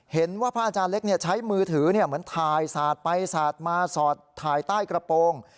เห็นว่าพระอาจารย์เล็กใช้มือถือเหมือนถ่ายสาดไปสาดมาสอดถ่ายใต้กระโปรง